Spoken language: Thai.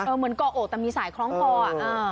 เหมือนก่อโอกแต่มีสายคล้องคออ่ะ